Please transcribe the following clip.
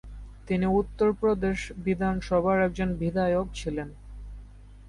তিনি উত্তরপ্রদেশ বিধানসভার একজন বিধায়ক ছিলেন।